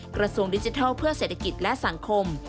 กระทรวงดิจิทัลเพื่อเศรษฐกิจและสังคม